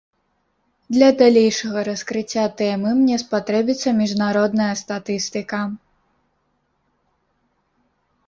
Для далейшага раскрыцця тэмы мне спатрэбіцца міжнародная статыстыка.